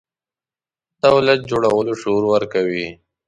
دولت جوړولو شعور ورکوي.